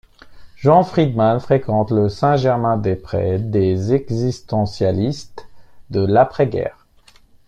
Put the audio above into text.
Jean Frydman fréquente le Saint-Germain-des-Prés des existentialistes de l'après-guerre.